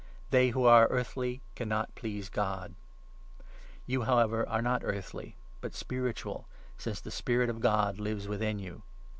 They who are earthly can 8 not please God. You, however, are not earthly but 9 spiritual, since the Spirit of God lives within you.